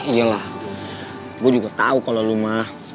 iya lah gue juga tau kalau lu mah